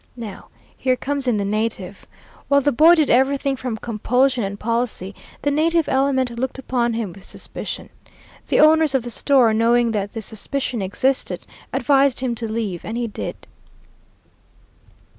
Now, here comes in the native. While the boy did everything from compulsion and policy, the native element looked upon him with suspicion. The owners of the store, knowing that this suspicion existed, advised him to leave, and he did."